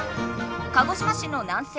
鹿児島市の南西